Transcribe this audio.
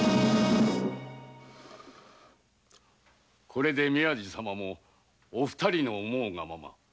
これで宮路様もお二人の思うがまま。